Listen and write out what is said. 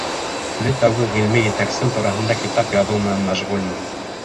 Әле тәүге ғилми етәксем тураһында китап яҙыу менән мәшғүлмен.